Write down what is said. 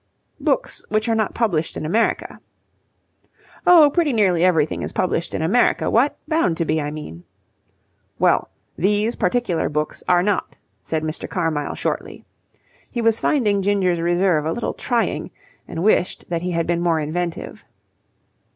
"Books which are not published in America." "Oh, pretty nearly everything is published in America, what? Bound to be, I mean." "Well, these particular books are not," said Mr. Carmyle shortly. He was finding Ginger's reserve a little trying, and wished that he had been more inventive.